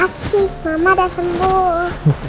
asyik mama udah sembuh